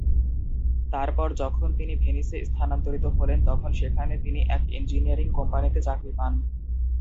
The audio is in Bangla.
তারপর যখন তিনি ভেনিসে স্থানান্তরিত হলেন, তখন সেখানে তিনি এক ইঞ্জিনিয়ারিং কোম্পানিতে চাকরি পান।